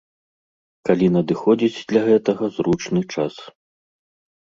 Калі надыходзіць для гэтага зручны час.